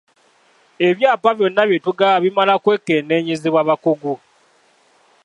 Ebyapa byonna bye tugaba bimala kwekenneenyezebwa bakugu.